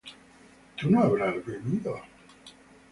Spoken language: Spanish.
¿tú no habrás bebido?